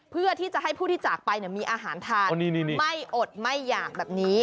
เพื่อที่จะให้ผู้ที่จากไปมีอาหารทานไม่อดไม่อยากแบบนี้